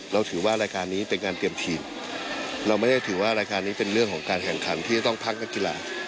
เราถือว่ารายการนี้เป็นการเตรียมทีมเราไม่ได้ถือว่ารายการนี้เป็นเรื่องของการแข่งขันที่จะต้องพักนักกีฬา